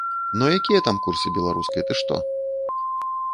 Ну якія там курсы беларускай, ты што.